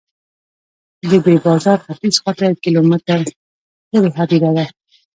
د دې بازار ختیځ خواته یو کیلومتر لرې هدیره ده.